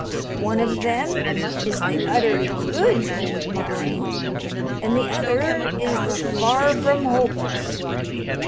One of them is the Utterly Good Gold Mine, and the other is the Far From Hopeless.